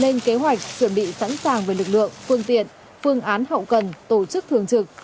lên kế hoạch chuẩn bị sẵn sàng về lực lượng phương tiện phương án hậu cần tổ chức thường trực